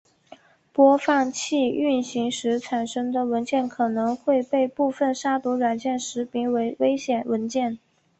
播放器运行时产生的文件可能会被部分杀毒软件识别为危险文件。